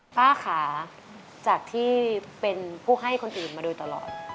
ป้าขาจากที่เป็นผู้ให้คนอื่นมาโดยตลอด